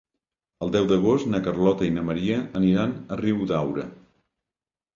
El deu d'agost na Carlota i na Maria aniran a Riudaura.